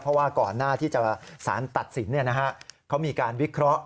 เพราะว่าก่อนหน้าที่จะสารตัดสินเขามีการวิเคราะห์